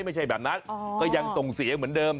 ไม่ใช่แบบนั้นก็ยังส่งเสียงเหมือนเดิม